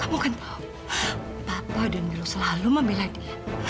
kamu kan tahu bapak dan milo selalu membela dia